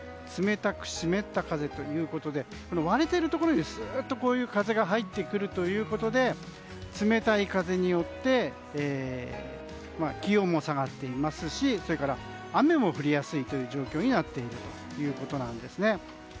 冷たく湿った風ということで割れているところに、スッとこういう風が入ってくるということで冷たい風によって気温も下がっていますしそれから雨も降りやすい状況になっているということなんです。